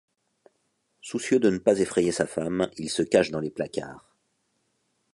Soucieux de ne pas effrayer sa femme, il se cache dans les placards.